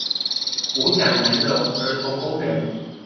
五甲南榮兒童公園